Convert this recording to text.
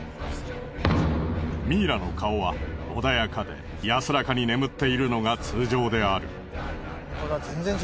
ミイラの顔は穏やかで安らかに眠っているのが通常である。